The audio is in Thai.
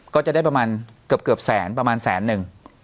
ก็จะได้ประมาณเกือบแสนประมาณแสนหนึ่ง